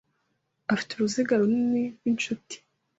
afite uruziga runini rwinshuti.